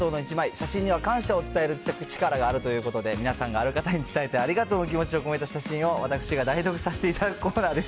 写真には感謝を伝える力があるということで、皆さんがある方に伝えたいありがとうの気持ちを込めた写真を、私が代読させていただくコーナーです。